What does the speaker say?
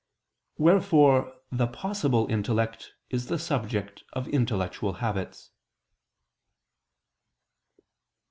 Wherefore the "possible" intellect is the subject of intellectual habits.